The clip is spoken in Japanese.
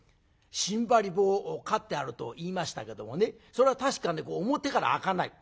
しんばり棒をかってあると言いましたけどもねそれは確かね表から開かない。